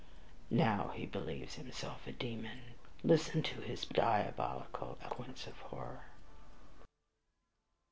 Now he believes himself a demon; listen to his diabolical eloquence of horror!"